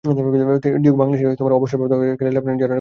Duke Bangladesh নৌবাহিনীর অবসরপ্রাপ্ত lieutenant commander ছিলেন।